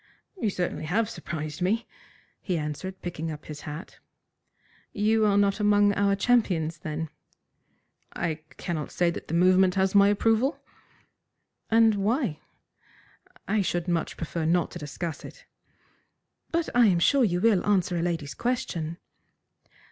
"You certainly have surprised me," he answered, picking up his hat. "You are not among our champions, then?" "I cannot say that the movement has my approval." "And why?" "I should much prefer not to discuss it." "But I am sure you will answer a lady's question."